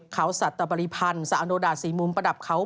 เขาศรัตน์ตะบริพันธ์ศรอโนดาสรีมุมประดับเขา